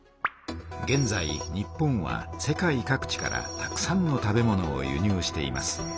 げんざい日本は世界各地からたくさんの食べ物を輸入しています。